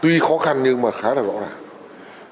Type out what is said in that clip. tuy khó khăn nhưng mà khá là rõ ràng